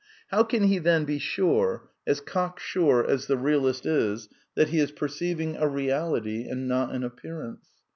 How can he then be • sure — as cock sure as the realist is — that he is perceiv f ing a reality and not an appearance